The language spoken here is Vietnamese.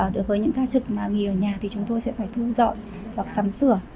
đối với những ca trực mà nghỉ ở nhà thì chúng tôi sẽ phải thu dọn hoặc sắm sửa